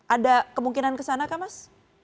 ada kemungkinan kesana kah mas